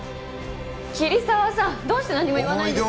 桐沢さんどうして何も言わないんですか？